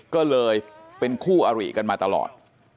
ก็เลยเป็นคู่อริกันมาตลอด